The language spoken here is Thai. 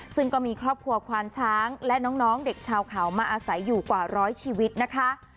ซึ่งก็มีครอบครัวควานช้างและน้องเด็กชาวเขามาอาศัยอยู่กว่าร้อยชีวิตนะคะ